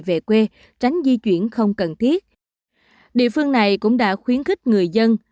về quê tránh di chuyển không cần thiết địa phương này cũng đã khuyến khích người dân